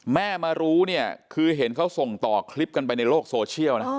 แม่มารู้เนี่ยคือเห็นเขาส่งต่อคลิปกันไปในโลกโซเชียลนะ